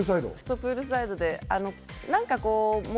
プールサイドでも。